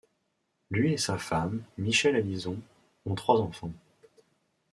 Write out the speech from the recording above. Lui et sa femme, Michelle Allison, ont trois enfants.